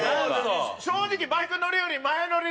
正直バイクに乗るよりああー！